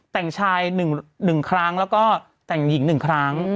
แต่งชาย๑ครั้งแล้วก็แต่งหญิง๑ครั้ง